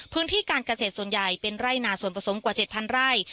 พื้นที่การเกษตรส่วนใหญ่เป็นไร่นาส่วนผสมกว่า๗๐๐ไร่